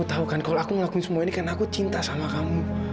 tahu kan kalau aku ngelakuin semua ini karena aku cinta sama kamu